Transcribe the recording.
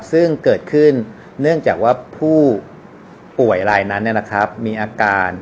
ซึ่งเกิดขึ้นเนื่องจากว่าผู้ป่วยรายนั้นมีอาการ